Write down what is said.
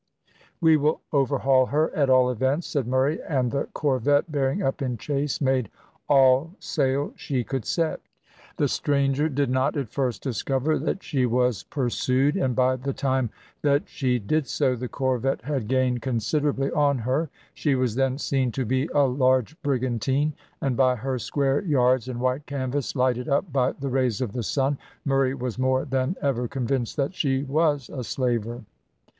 "We will overhaul her, at all events," said Murray, and the corvette, bearing up in chase, made all sail she could set. The stranger did not at first discover that she was pursued, and by the time that she did so the corvette had gained considerably on her. She was then seen to be a large brigantine, and by her square yards and white canvas, lighted up by the rays of the sun, Murray was more than ever convinced that she was a slaver.